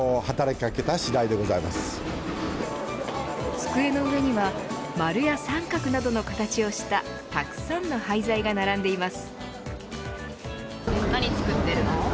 机の上には丸や三角などの形をしたたくさんの廃材が並んでいます。